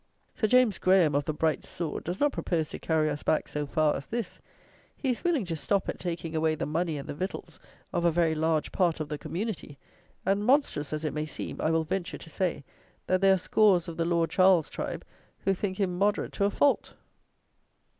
Sir James Graham of the bright sword does not propose to carry us back so far as this; he is willing to stop at taking away the money and the victuals of a very large part of the community; and, monstrous as it may seem, I will venture to say, that there are scores of the Lord Charles tribe who think him moderate to a fault!